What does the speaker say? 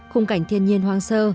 khung cảnh thiên nhiên hoang sơ